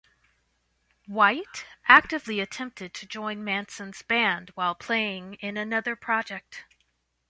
White actively attempted to join Manson's band while playing in another project.